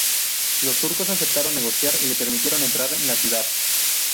Los turcos aceptaron negociar y le permitieron entrar en la ciudad.